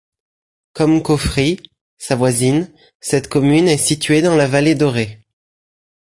Comme Cauffry, sa voisine, cette commune est située dans la Vallée Dorée.